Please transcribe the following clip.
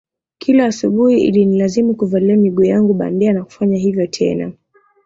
Kila asubuhi ilinilazimu kuvalia miguu yangu bandia na kufanya hivyo tena